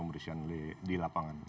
pembersihan pembersihan di lapangan